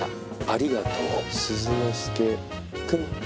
ありがとう鈴之介君。